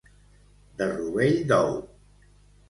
De rovell d'ou.